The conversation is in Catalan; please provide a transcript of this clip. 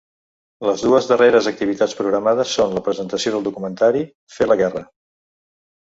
Les dues darreres activitats programades són la presentació del documentari Fer la guerra.